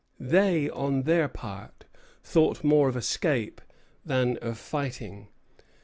They, on their part, thought more of escape than of fighting.